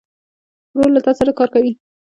ورور له تا سره کار کوي.